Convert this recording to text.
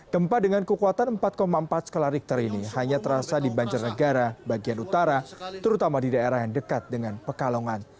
gempa dengan kekuatan empat empat skala richter ini hanya terasa di banjarnegara bagian utara terutama di daerah yang dekat dengan pekalongan